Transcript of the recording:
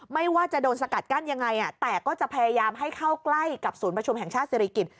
ไม่ว่าจะโดนสกัดกั้นยังไงแต่ก็จะพยายามให้เข้าใกล้กับศูนย์ประชุมแห่งชาติศิริกิจ